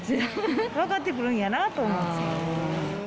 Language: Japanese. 分かってくるんやなと思って。